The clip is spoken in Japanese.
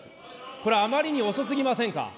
これはあまりに遅すぎませんか。